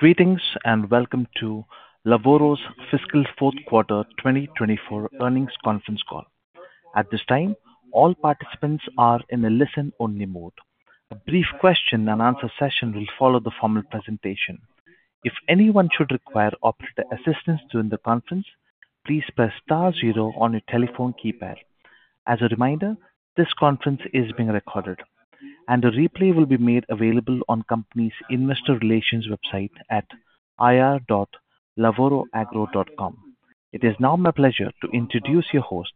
Greetings and welcome to Lavoro's Fiscal Fourth Quarter 2024 Earnings Conference Call. At this time, all participants are in a listen-only mode. A brief question-and-answer session will follow the formal presentation. If anyone should require operator assistance during the conference, please press star zero on your telephone keypad. As a reminder, this conference is being recorded, and a replay will be made available on the company's investor relations website at ir.lavoroagro.com. It is now my pleasure to introduce your host,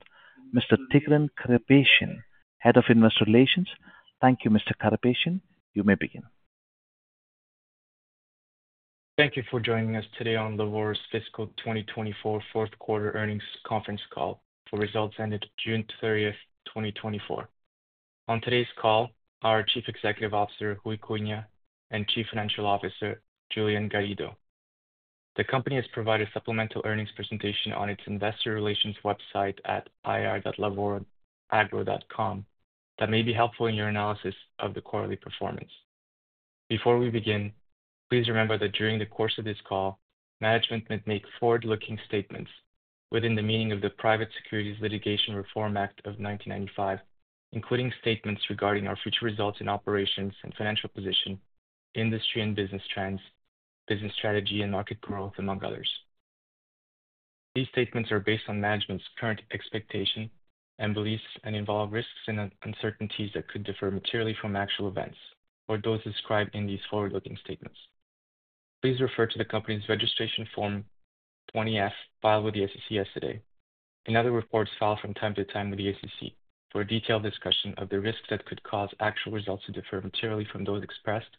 Mr. Tigran Karapetian, Head of Investor Relations. Thank you, Mr. Karapetian. You may begin. Thank you for joining us today on Lavoro's Fiscal 2024 Fourth Quarter Earnings Conference Call for results ended June 30, 2024. On today's call, our Chief Executive Officer, Ruy Cunha, and Chief Financial Officer, Julian Garrido. The company has provided a supplemental earnings presentation on its investor relations website at ir.lavoroagro.com that may be helpful in your analysis of the quarterly performance. Before we begin, please remember that during the course of this call, management may make forward-looking statements within the meaning of the Private Securities Litigation Reform Act of 1995, including statements regarding our future results in operations and financial position, industry and business trends, business strategy, and market growth, among others. These statements are based on management's current expectation and beliefs and involve risks and uncertainties that could differ materially from actual events or those described in these forward-looking statements. Please refer to the company's registration Form 20-F filed with the SEC yesterday. Another report is filed from time to time with the SEC for a detailed discussion of the risks that could cause actual results to differ materially from those expressed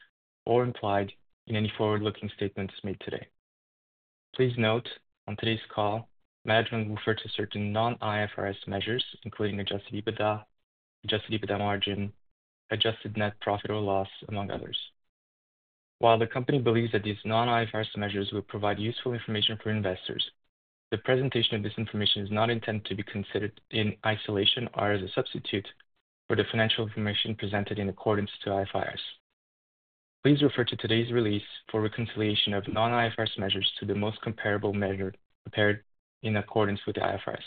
or implied in any forward-looking statements made today. Please note, on today's call, management will refer to certain non-IFRS measures, including Adjusted EBITDA, Adjusted EBITDA margin, adjusted net profit or loss, among others. While the company believes that these non-IFRS measures will provide useful information for investors, the presentation of this information is not intended to be considered in isolation or as a substitute for the financial information presented in accordance to IFRS. Please refer to today's release for reconciliation of non-IFRS measures to the most comparable measure prepared in accordance with IFRS.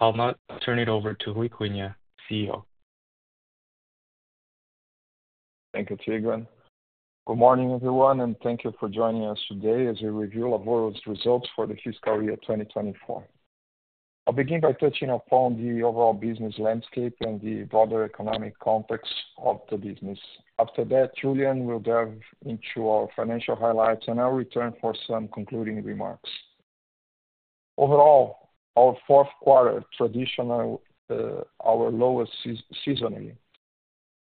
I'll now turn it over to Ruy Cunha, CEO. Thank you, Tigran. Good morning, everyone, and thank you for joining us today as a review of Lavoro's results for the fiscal year 2024. I'll begin by touching upon the overall business landscape and the broader economic context of the business. After that, Julian will delve into our financial highlights and I'll return for some concluding remarks. Overall, our fourth quarter traditionally our lowest seasonally.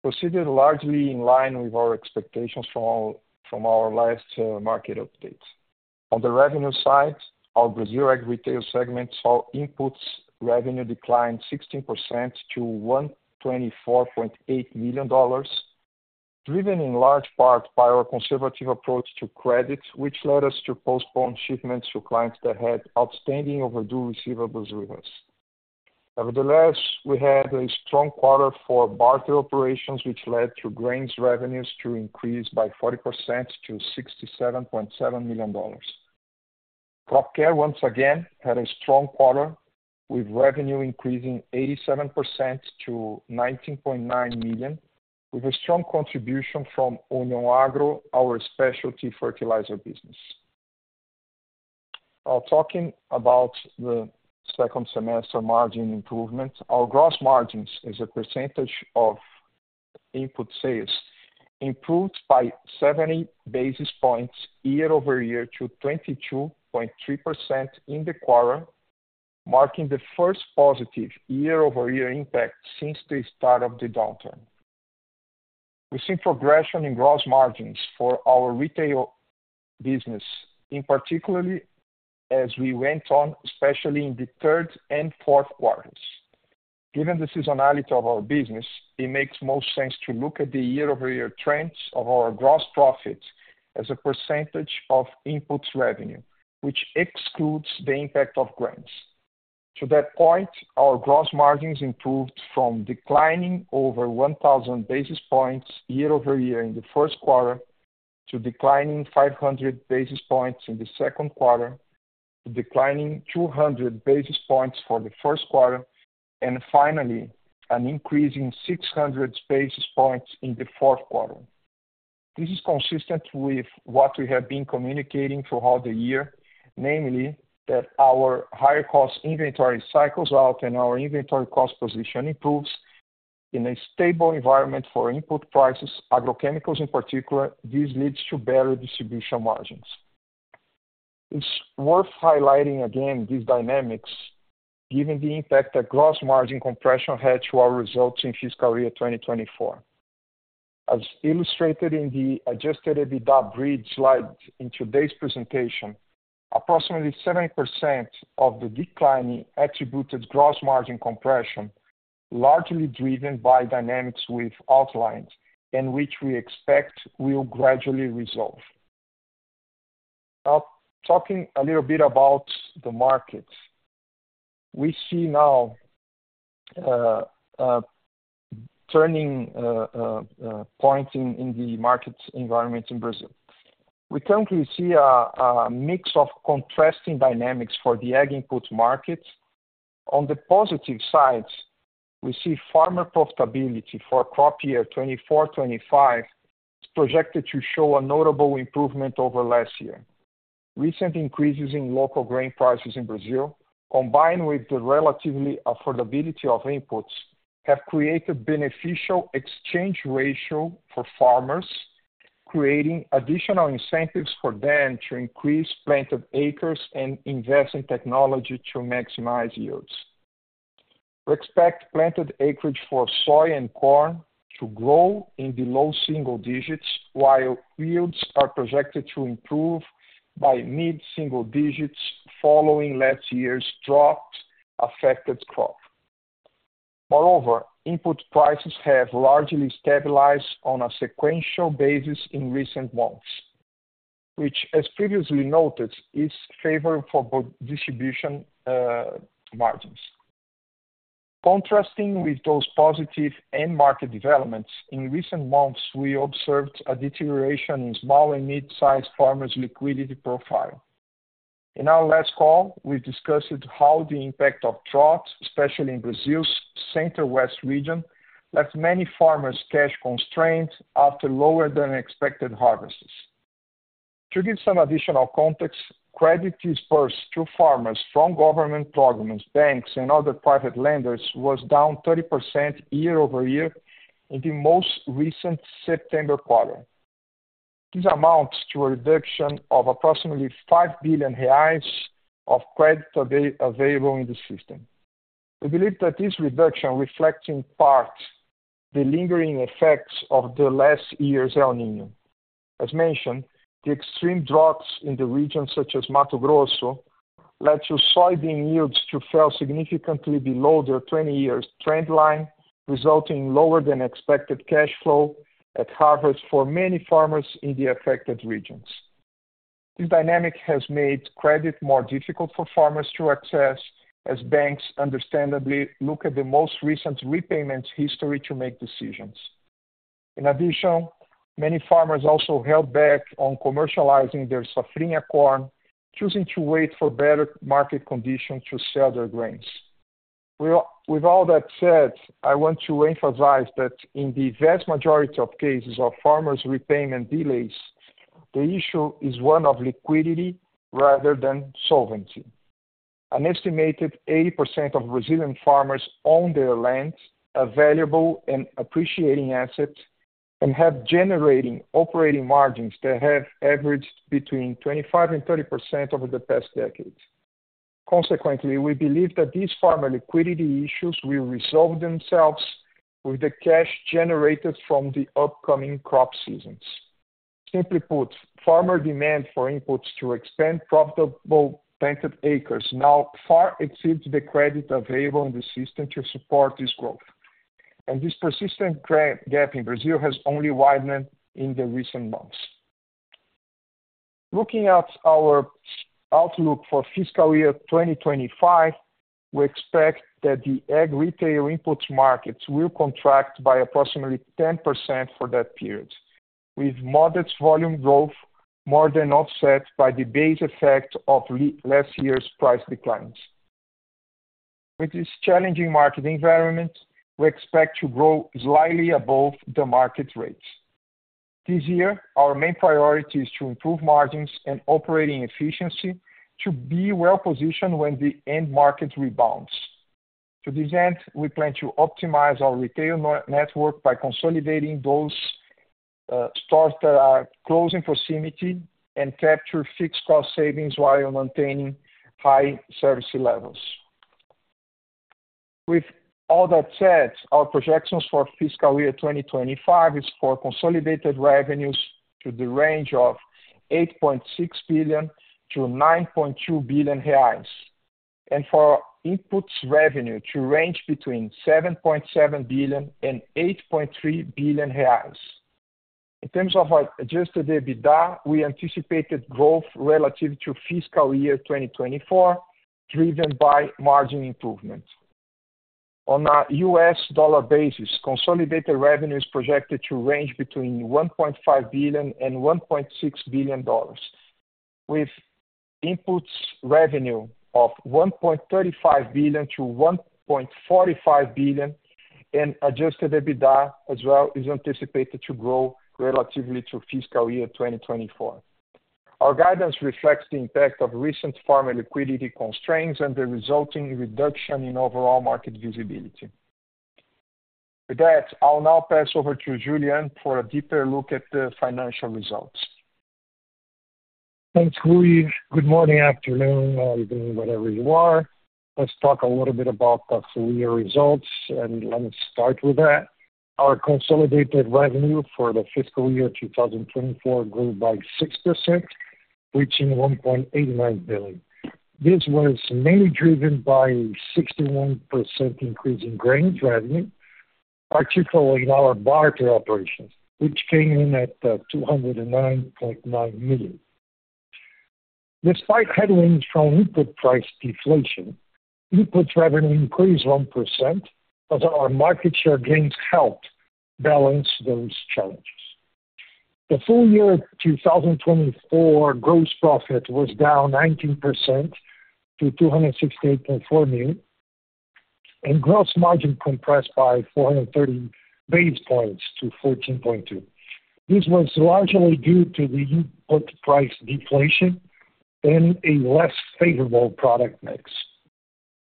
It proceeded largely in line with our expectations from our last market updates. On the revenue side, our Brazil ag retail segment saw inputs revenue decline 16% to $124.8 million, driven in large part by our conservative approach to credit, which led us to postpone shipments to clients that had outstanding overdue receivables with us. Nevertheless, we had a strong quarter for barter operations, which led to grains revenues to increase by 40% to $67.7 million. Crop care, once again, had a strong quarter with revenue increasing 87% to $19.9 million, with a strong contribution from Union Agro, our specialty fertilizer business. While talking about the second semester margin improvement, our gross margins as a percentage of input sales improved by 70 basis points year over year to 22.3% in the quarter, marking the first positive year-over-year impact since the start of the downturn. We've seen progression in gross margins for our retail business, in particular as we went on, especially in the third and fourth quarters. Given the seasonality of our business, it makes most sense to look at the year-over-year trends of our gross profit as a percentage of inputs revenue, which excludes the impact of grains. To that point, our gross margins improved from declining by over 1,000 basis points year over year in the first quarter to declining 500 basis points in the second quarter, to declining 200 basis points for the third quarter, and finally, an increase of 600 basis points in the fourth quarter. This is consistent with what we have been communicating throughout the year, namely that our higher cost inventory cycles out and our inventory cost position improves in a stable environment for input prices, agrochemicals in particular. This leads to better distribution margins. It's worth highlighting again these dynamics given the impact that gross margin compression had on our results in fiscal year 2024. As illustrated in the Adjusted EBITDA bridge slide in today's presentation, approximately 7% of the decline attributed to gross margin compression, largely driven by dynamics we've outlined and which we expect will gradually resolve. Now, talking a little bit about the markets, we see now a turning point in the markets environment in Brazil. We currently see a mix of contrasting dynamics for the ag input markets. On the positive sides, we see farmer profitability for crop year 2024-2025 projected to show a notable improvement over last year. Recent increases in local grain prices in Brazil, combined with the relative affordability of inputs, have created beneficial exchange ratio for farmers, creating additional incentives for them to increase planted acres and invest in technology to maximize yields. We expect planted acreage for soy and corn to grow in the low single digits, while yields are projected to improve by mid-single digits following last year's drought-affected crop. Moreover, input prices have largely stabilized on a sequential basis in recent months, which, as previously noted, is favorable for both distribution margins. Contrasting with those positive end market developments, in recent months, we observed a deterioration in small and mid-sized farmers' liquidity profile. In our last call, we've discussed how the impact of drought, especially in Brazil's center-west region, left many farmers cash constrained after lower than expected harvests. To give some additional context, credit disbursed to farmers from government programs, banks, and other private lenders was down 30% year over year in the most recent September quarter. This amounts to a reduction of approximately R$5 billion of credit available in the system. We believe that this reduction reflects in part the lingering effects of the last year's El Niño. As mentioned, the extreme droughts in the region, such as Mato Grosso, led to soybean yields to fall significantly below their 20-year trend line, resulting in lower than expected cash flow at harvest for many farmers in the affected regions. This dynamic has made credit more difficult for farmers to access, as banks understandably look at the most recent repayment history to make decisions. In addition, many farmers also held back on commercializing their safrinha corn, choosing to wait for better market conditions to sell their grains. With all that said, I want to emphasize that in the vast majority of cases of farmers' repayment delays, the issue is one of liquidity rather than solvency. An estimated 80% of Brazilian farmers own their land, a valuable and appreciating asset, and have generating operating margins that have averaged between 25% and 30% over the past decade. Consequently, we believe that these farmer liquidity issues will resolve themselves with the cash generated from the upcoming crop seasons. Simply put, farmer demand for inputs to expand profitable planted acres now far exceeds the credit available in the system to support this growth. And this persistent gap in Brazil has only widened in the recent months. Looking at our outlook for fiscal year 2025, we expect that the ag retail input markets will contract by approximately 10% for that period, with modest volume growth more than offset by the base effect of last year's price declines. With this challenging market environment, we expect to grow slightly above the market rates. This year, our main priority is to improve margins and operating efficiency to be well-positioned when the end market rebounds. To this end, we plan to optimize our retail network by consolidating those stores that are close in proximity and capture fixed cost savings while maintaining high service levels. With all that said, our projections for fiscal year 2025 is for consolidated revenues to the range of R$8.6 billion-R$9.2 billion and for inputs revenue to range between R$7.7 billion and R$8.3 billion. In terms of Adjusted EBITDA, we anticipated growth relative to fiscal year 2024, driven by margin improvement. On a US dollar basis, consolidated revenue is projected to range between $1.5 billion and $1.6 billion, with inputs revenue of $1.35 billion-$1.45 billion, and Adjusted EBITDA as well is anticipated to grow relatively to fiscal year 2024. Our guidance reflects the impact of recent farmer liquidity constraints and the resulting reduction in overall market visibility. With that, I'll now pass over to Julian for a deeper look at the financial results. Thanks, Ruy. Good morning, afternoon, or evening, wherever you are. Let's talk a little bit about the full year results, and let me start with that. Our consolidated revenue for the fiscal year 2024 grew by 6%, reaching R$1.89 billion. This was mainly driven by a 61% increase in grains revenue, particularly in our barter operations, which came in at R$209.9 million. Despite headwinds from input price deflation, inputs revenue increased 1% as our market share gains helped balance those challenges. The full year 2024 gross profit was down 19% to 268.4 million, and gross margin compressed by 430 basis points to 14.2%. This was largely due to the input price deflation and a less favorable product mix.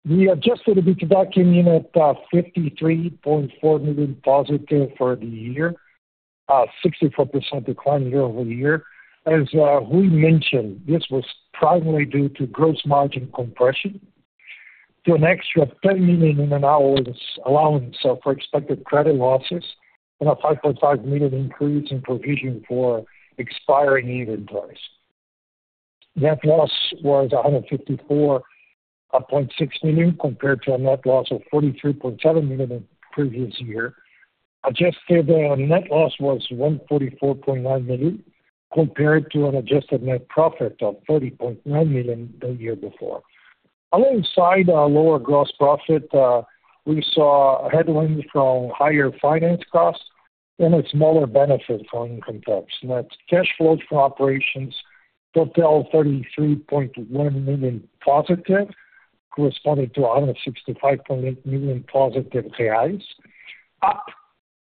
The adjusted EBITDA came in at 53.4 million positive for the year, a 64% decline year over year. As Ruy mentioned, this was primarily due to gross margin compression. Due to an extra R$10 million in ECL, this allocation for expected credit losses and a R$5.5 million increase in provision for expiring inventories. Net loss was R$154.6 million compared to a net loss of R$43.7 million in the previous year. Adjusted net loss was R$144.9 million compared to an adjusted net profit of R$30.9 million the year before. Alongside our lower gross profit, we saw headwinds from higher finance costs and a smaller benefit from income tax, nets. Cash flows from operations total $33.1 million positive, corresponding to R$165.8 million positive reais, up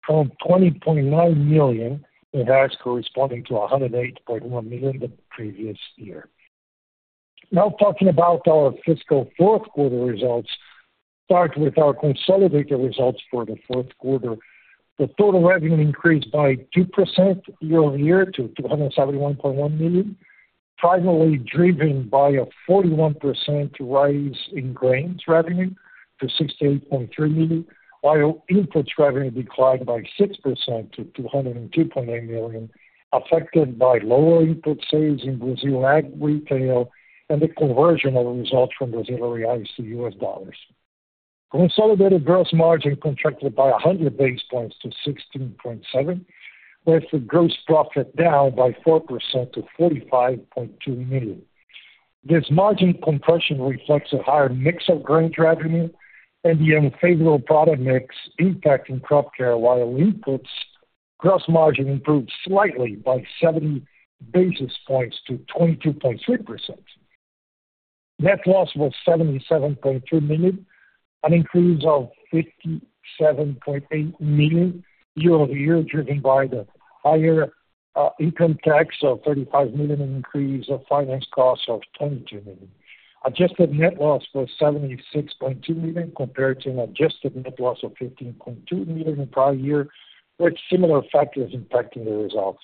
from R$20.9 million in reais, corresponding to R$108.1 million the previous year. Now, talking about our fiscal fourth quarter results, start with our consolidated results for the fourth quarter. The total revenue increased by 2% year over year to R$271.1 million, primarily driven by a 41% rise in grains revenue to R$68.3 million, while inputs revenue declined by 6% to R$202.8 million, affected by lower input sales in Brazil ag retail and the conversion of results from Brazilian Reais to US dollars. Consolidated gross margin contracted by 100 basis points to 16.7%, with the gross profit down by 4% to R$45.2 million. This margin compression reflects a higher mix of grain revenue and the unfavorable product mix impacting crop care, while inputs gross margin improved slightly by 70 basis points to 22.3%. Net loss was R$77.3 million, an increase of R$57.8 million year over year, driven by the higher income tax of R$35 million and an increase of finance costs of R$22 million. Adjusted net loss was R$76.2 million compared to an adjusted net loss of R$15.2 million in prior year, with similar factors impacting the results.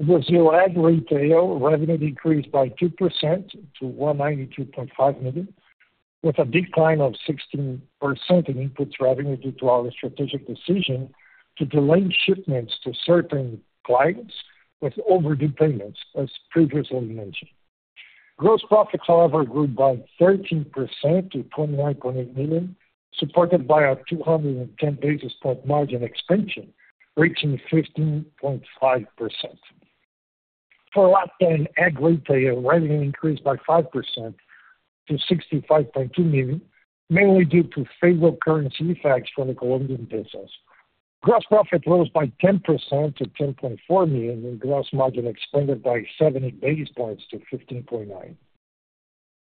Brazil ag retail revenue decreased by 2% to R$192.5 million, with a decline of 16% in inputs revenue due to our strategic decision to delay shipments to certain clients with overdue payments, as previously mentioned. Gross profits, however, grew by 13% to R$29.8 million, supported by a 210 basis points margin expansion, reaching 15.5%. For LatAm ag retail, revenue increased by 5% to R$65.2 million, mainly due to favorable currency effects from the Colombian pesos. Gross profit rose by 10% to R$10.4 million, and gross margin expanded by 70 basis points to 15.9%.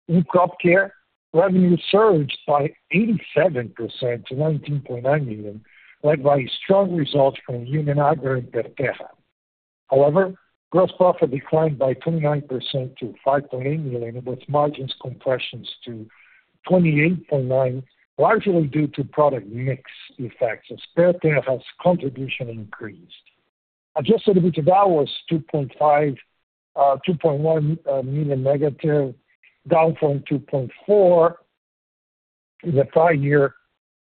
In crop care, revenue surged by 87% to R$19.9 million, led by strong results from Union Agro and Integra. However, gross profit declined by 29% to R$5.8 million, with margins compressed 28.9%, largely due to product mix effects as Integra's contribution increased. Adjusted EBITDA was R$2.1 million negative, down from 2.4 in the prior year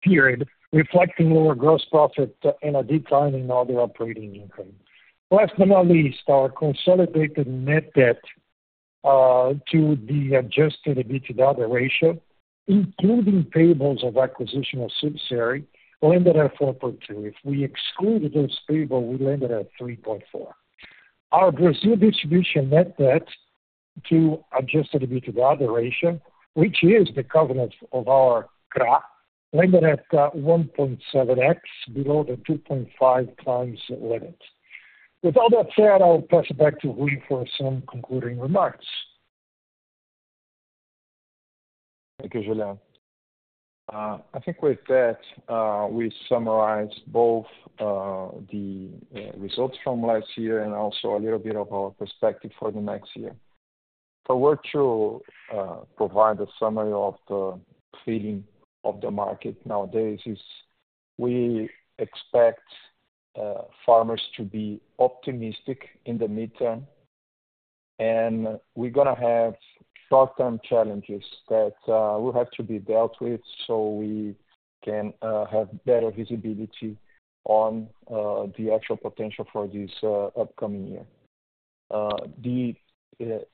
period, reflecting lower gross profit and a decline in other operating income. Last but not least, our consolidated net debt to the adjusted EBITDA ratio, including payables of acquisition of subsidiary, landed at 4.2. If we excluded those payables, we landed at 3.4. Our Brazil distribution net debt to adjusted EBITDA ratio, which is the covenant of our CRA, landed at 1.7x, below the 2.5x limit. With all that said, I'll pass it back to Ruy for some concluding remarks. Thank you, Julian. I think with that, we summarize both the results from last year and also a little bit of our perspective for the next year. If I were to provide a summary of the feeling of the market nowadays, we expect farmers to be optimistic in the midterm, and we're going to have short-term challenges that will have to be dealt with so we can have better visibility on the actual potential for this upcoming year.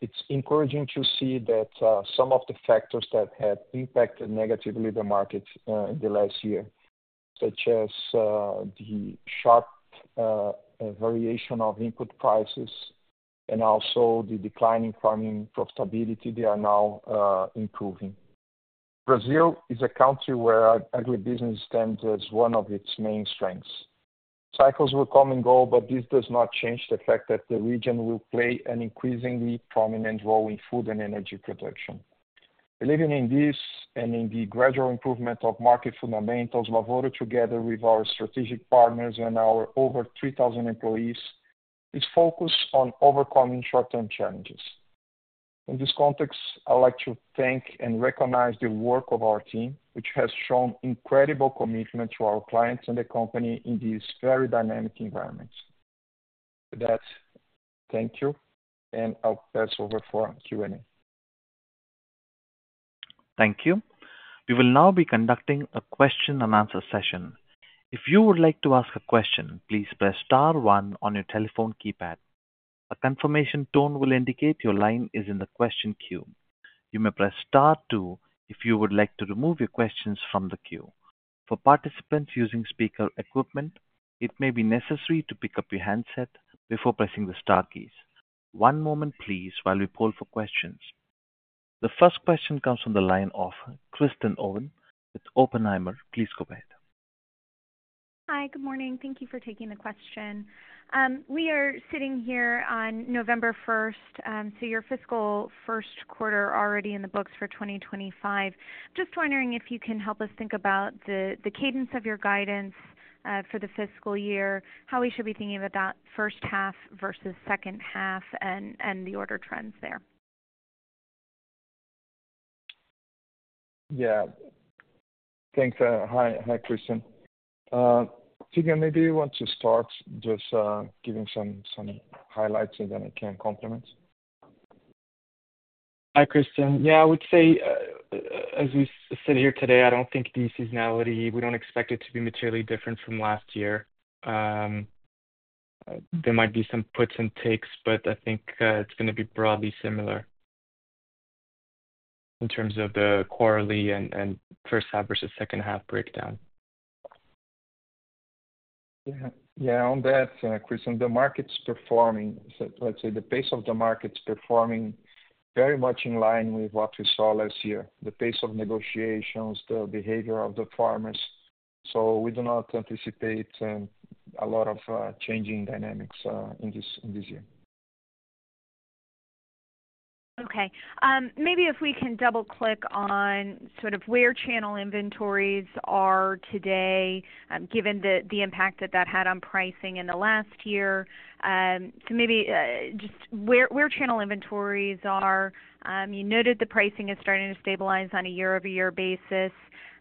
It's encouraging to see that some of the factors that have impacted negatively the market in the last year, such as the sharp variation of input prices and also the decline in farming profitability, they are now improving. Brazil is a country where agribusiness stands as one of its main strengths. Cycles will come and go, but this does not change the fact that the region will play an increasingly prominent role in food and energy production. Believing in this and in the gradual improvement of market fundamentals, Lavoro together with our strategic partners and our over 3,000 employees is focused on overcoming short-term challenges. In this context, I'd like to thank and recognize the work of our team, which has shown incredible commitment to our clients and the company in these very dynamic environments. With that, thank you, and I'll pass over for Q&A. Thank you. We will now be conducting a question-and-answer session. If you would like to ask a question, please press *1 on your telephone keypad. A confirmation tone will indicate your line is in the question queue. You may press *2 if you would like to remove your questions from the queue. For participants using speaker equipment, it may be necessary to pick up your handset before pressing the * keys. One moment, please, while we poll for questions. The first question comes from the line of Kristen Owen with Oppenheimer. Please go ahead. Hi, good morning. Thank you for taking the question. We are sitting here on November 1st, so your fiscal first quarter is already in the books for 2025. Just wondering if you can help us think about the cadence of your guidance for the fiscal year, how we should be thinking about that first half versus second half, and the order trends there. Yeah. Thanks. Hi, Kristen. Tigran, maybe you want to start just giving some highlights, and then I can complement. Hi, Kristen. Yeah, I would say, as we sit here today, I don't think the seasonality, we don't expect it to be materially different from last year. There might be some puts and takes, but I think it's going to be broadly similar in terms of the quarterly and first half versus second half breakdown. Yeah, on that, Kristen, the market's performing. Let's say the pace of the market's performing very much in line with what we saw last year, the pace of negotiations, the behavior of the farmers. So we do not anticipate a lot of changing dynamics in this year. Okay. Maybe if we can double-click on sort of where channel inventories are today, given the impact that that had on pricing in the last year. So maybe just where channel inventories are. You noted the pricing is starting to stabilize on a year-over-year basis.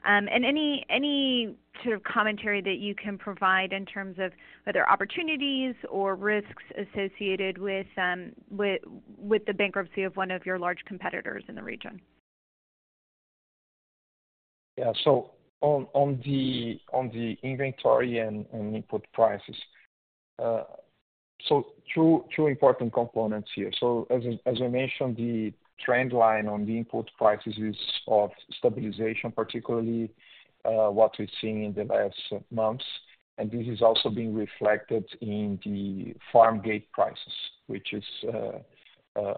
And any sort of commentary that you can provide in terms of either opportunities or risks associated with the bankruptcy of one of your large competitors in the region? Yeah, so on the inventory and input prices, so two important components here, so as I mentioned, the trend line on the input prices is of stabilization, particularly what we've seen in the last months, and this is also being reflected in the farm gate prices, which is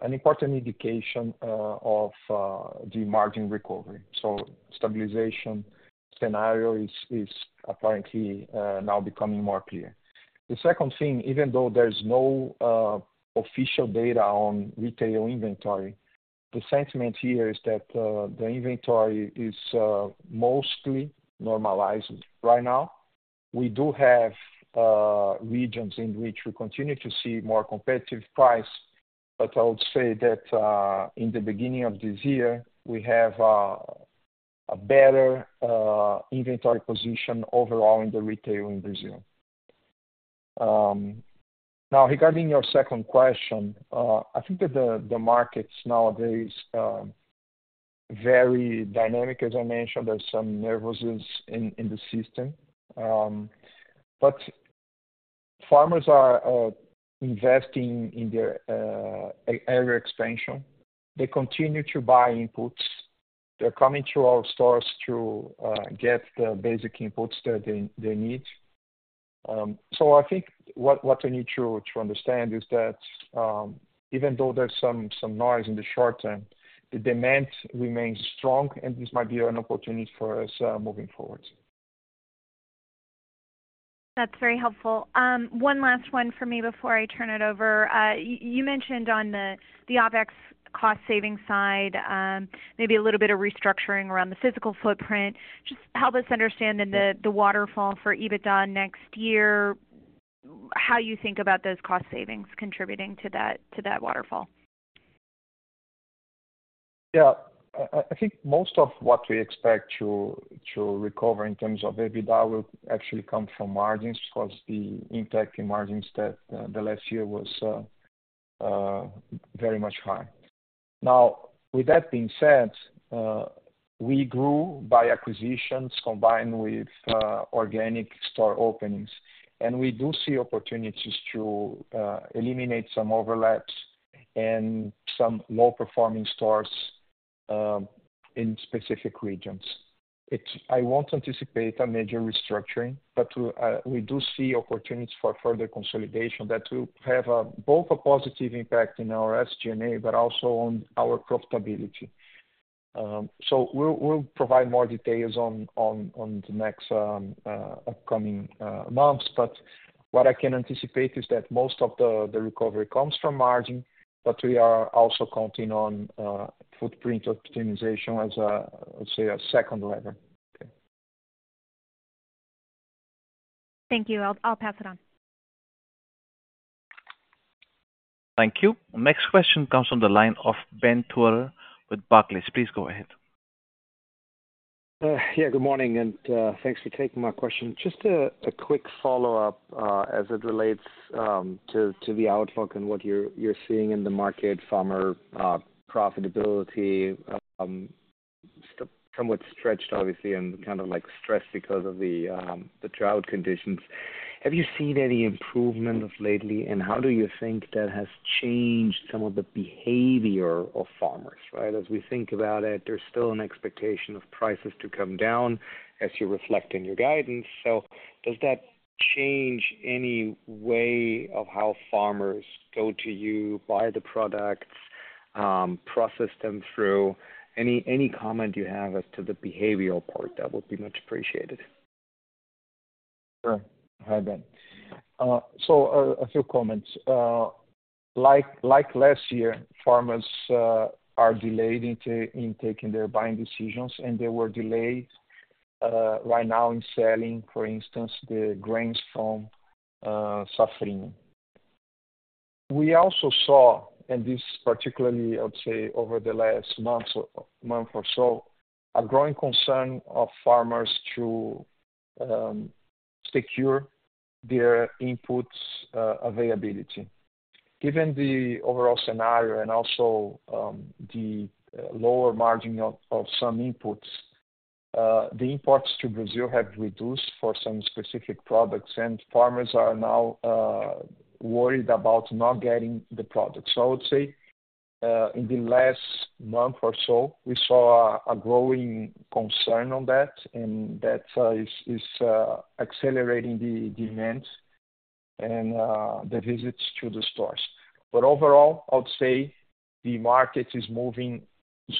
an important indication of the margin recovery, so stabilization scenario is apparently now becoming more clear. The second thing, even though there's no official data on retail inventory, the sentiment here is that the inventory is mostly normalized. Right now, we do have regions in which we continue to see more competitive price, but I would say that in the beginning of this year, we have a better inventory position overall in the retail in Brazil. Now, regarding your second question, I think that the markets nowadays are very dynamic, as I mentioned. There's some nervousness in the system. But farmers are investing in their area expansion. They continue to buy inputs. They're coming to our stores to get the basic inputs that they need. So I think what we need to understand is that even though there's some noise in the short term, the demand remains strong, and this might be an opportunity for us moving forward. That's very helpful. One last one for me before I turn it over. You mentioned on the OpEx cost-saving side, maybe a little bit of restructuring around the physical footprint. Just help us understand in the waterfall for EBITDA next year, how you think about those cost savings contributing to that waterfall? Yeah. I think most of what we expect to recover in terms of EBITDA will actually come from margins because the impact on margins from last year was very high. Now, with that being said, we grew by acquisitions combined with organic store openings, and we do see opportunities to eliminate some overlaps and some low-performing stores in specific regions. I won't anticipate a major restructuring, but we do see opportunities for further consolidation that will have both a positive impact on our SG&A, but also on our profitability. So we'll provide more details in the next upcoming months. But what I can anticipate is that most of the recovery comes from margin, but we are also counting on footprint optimization as a second lever. Thank you. I'll pass it on. Thank you. Next question comes from the line of Ben Theurer with Barclays. Please go ahead. Yeah, good morning, and thanks for taking my question. Just a quick follow-up as it relates to the outlook and what you're seeing in the market, farmer profitability, somewhat stretched, obviously, and kind of stressed because of the drought conditions. Have you seen any improvement lately, and how do you think that has changed some of the behavior of farmers? Right? As we think about it, there's still an expectation of prices to come down as you reflect in your guidance. So does that change any way of how farmers go to you, buy the products, process them through? Any comment you have as to the behavioral part? That would be much appreciated. Sure. Hi, Ben. So a few comments. Like last year, farmers are delayed in taking their buying decisions, and they were delayed right now in selling, for instance, the grains from Safrinha. We also saw, and this particularly, I would say, over the last month or so, a growing concern of farmers to secure their inputs' availability. Given the overall scenario and also the lower margin of some inputs, the imports to Brazil have reduced for some specific products, and farmers are now worried about not getting the products. So I would say in the last month or so, we saw a growing concern on that, and that is accelerating the demand and the visits to the stores. But overall, I would say the market is moving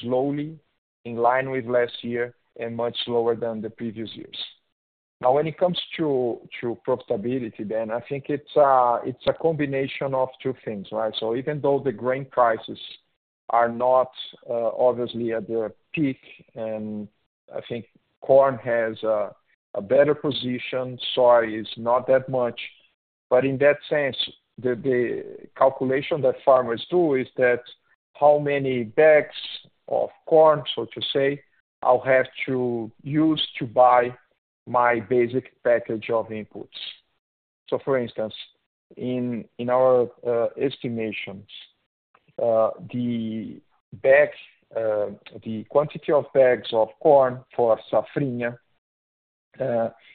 slowly in line with last year and much slower than the previous years. Now, when it comes to profitability, Ben, I think it's a combination of two things. Right? So even though the grain prices are not obviously at their peak, and I think corn has a better position, soy is not that much, but in that sense, the calculation that farmers do is that how many bags of corn, so to say, I'll have to use to buy my basic package of inputs. So, for instance, in our estimations, the quantity of bags of corn for Safrinha,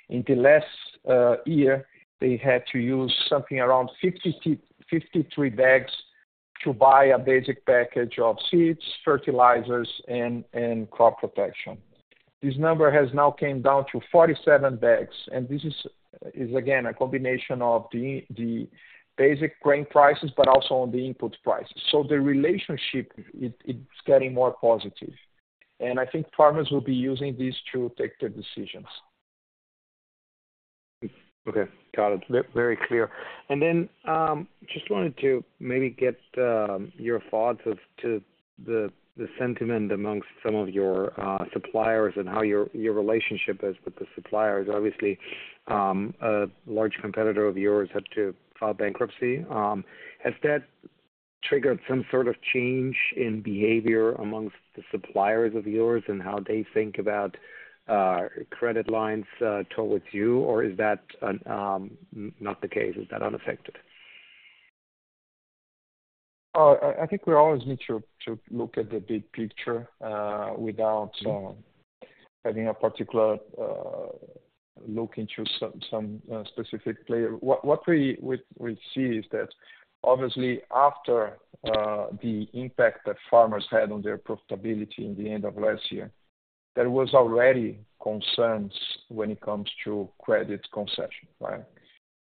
in the last year, they had to use something around 53 bags to buy a basic package of seeds, fertilizers, and crop protection. This number has now come down to 47 bags, and this is, again, a combination of the basic grain prices, but also on the input prices. The relationship is getting more positive, and I think farmers will be using this to take their decisions. Okay. Got it. Very clear. And then just wanted to maybe get your thoughts as to the sentiment amongst some of your suppliers and how your relationship is with the suppliers. Obviously, a large competitor of yours had to file bankruptcy. Has that triggered some sort of change in behavior amongst the suppliers of yours and how they think about credit lines towards you, or is that not the case? Is that unaffected? I think we always need to look at the big picture without having a particular look into some specific player. What we see is that, obviously, after the impact that farmers had on their profitability in the end of last year, there were already concerns when it comes to credit concession. Right?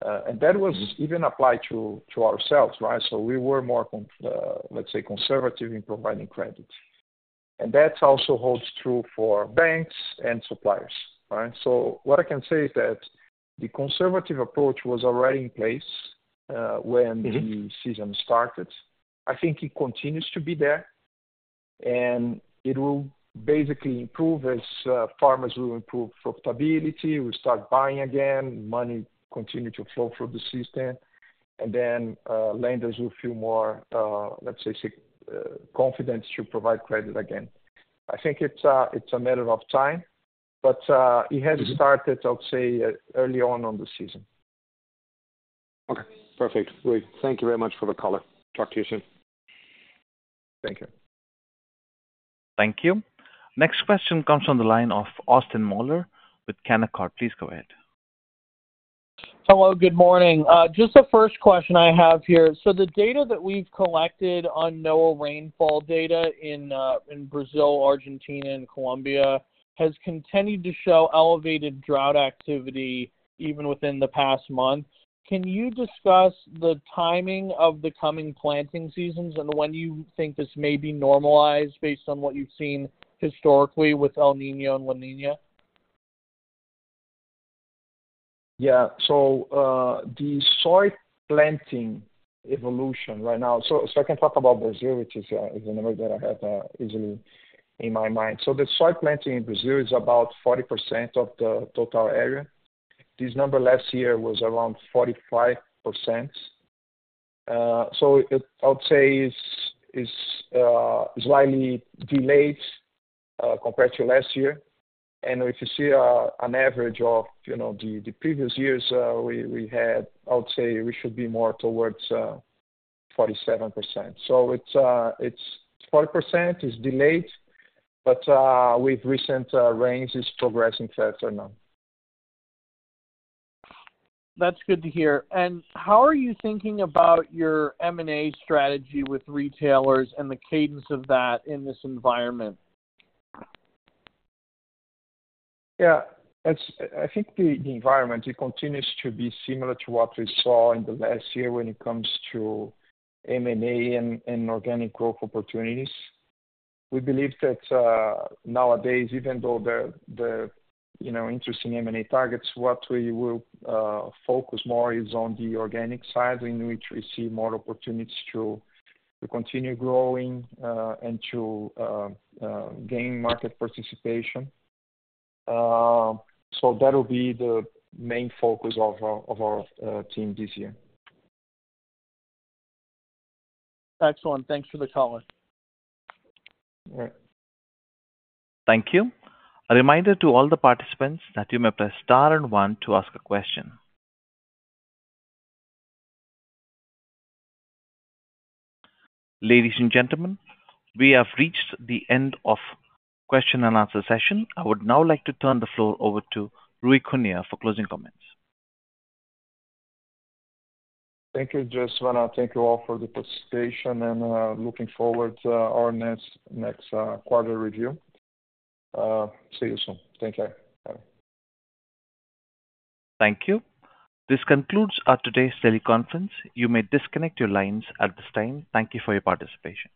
And that was even applied to ourselves. Right? So we were more, let's say, conservative in providing credit. And that also holds true for banks and suppliers. Right? So what I can say is that the conservative approach was already in place when the season started. I think it continues to be there, and it will basically improve as farmers will improve profitability, will start buying again, money continues to flow through the system, and then lenders will feel more, let's say, confident to provide credit again.I think it's a matter of time, but it has started, I would say, early on in the season. Okay. Perfect. Great. Thank you very much for the call. Talk to you soon. Thank you. Thank you. Next question comes from the line of Austin Moeller with Canaccord Genuity. Please go ahead. Hello. Good morning. Just the first question I have here. So the data that we've collected on NOAA rainfall data in Brazil, Argentina, and Colombia has continued to show elevated drought activity even within the past month. Can you discuss the timing of the coming planting seasons and when you think this may be normalized based on what you've seen historically with El Niño and La Niña? Yeah. So the soy planting evolution right now, so I can talk about Brazil, which is a number that I have easily in my mind. So the soy planting in Brazil is about 40% of the total area. This number last year was around 45%. So I would say it's slightly delayed compared to last year. And if you see an average of the previous years, we had, I would say, we should be more towards 47%. So it's 40%, it's delayed, but with recent rains, it's progressing faster now. That's good to hear. And how are you thinking about your M&A strategy with retailers and the cadence of that in this environment? Yeah. I think the environment continues to be similar to what we saw in the last year when it comes to M&A and organic growth opportunities. We believe that nowadays, even though there are interesting M&A targets, what we will focus more is on the organic side in which we see more opportunities to continue growing and to gain market share. So that will be the main focus of our team this year. Excellent. Thanks for the call. All right. Thank you. A reminder to all the participants that you may press star and one to ask a question. Ladies and gentlemen, we have reached the end of the question and answer session. I would now like to turn the floor over to Ruy Cunha for closing comments. Thank you, Jess. Thank you all for the participation, and looking forward to our next quarter review. See you soon. Take care. Bye-bye. Thank you. This concludes our today's teleconference. You may disconnect your lines at this time. Thank you for your participation.